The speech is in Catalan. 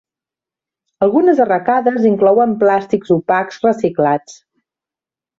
Algunes arracades inclouen plàstics opacs reciclats.